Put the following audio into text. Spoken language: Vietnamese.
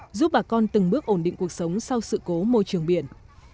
đây là tiền đề quan trọng cho bà con từng bước ổn định cuộc sống sau sự cố môi trường biển